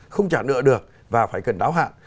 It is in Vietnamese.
không trả nợ được và phải cần đáo hạn